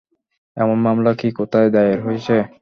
এমন মামলা কি কোথায় দায়ের হয়েছে?